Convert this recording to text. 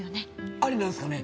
ありなんすかね？